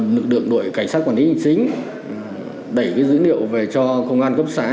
lực lượng đội cảnh sát quản lý hình chính đẩy dữ liệu về cho công an cấp xã